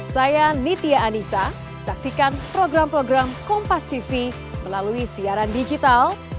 saya nitya anissa saksikan program program kompastv melalui siaran digital